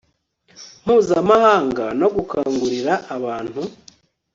mpuzamahanga no gukangurira abantu